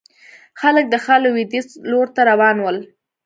خلک د ښار لوېديځ لور ته روان ول.